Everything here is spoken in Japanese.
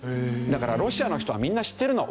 だからロシアの人はみんな知ってるの。